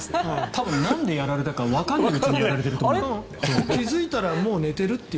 なんでやられたかわからないうちに飛ばされてると思う。